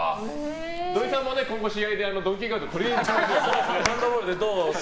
土井さんも今後試合でドンキーガードをそうですね。